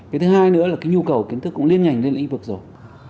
cái thứ hai nữa là cái nhu cầu kiến thức cũng liên ngành lên lĩnh vực rồi